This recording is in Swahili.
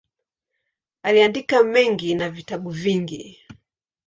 Aliandika mengi na vitabu vingi.